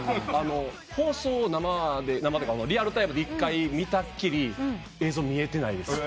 放送をリアルタイムで１回見たっきり映像見られてないです。